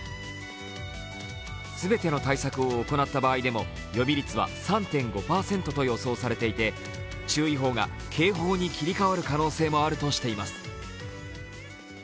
全ての対策を行った場合でも予備率は３．５％と予想されていて注意報が警報に切り替わる可能性もあるとしています。